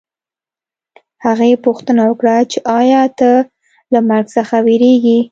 هغې پوښتنه وکړه چې ایا ته له مرګ څخه وېرېږې